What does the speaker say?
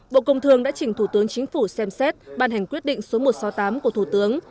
bộ công thương đã chỉnh thủ tướng chính phủ xem xét ban hành quyết định số một trăm sáu mươi tám của thủ tướng